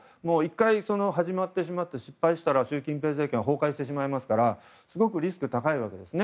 １回、始まってしまって失敗してしまったら習近平政権は崩壊してしまいますからすごくリスク高いわけです。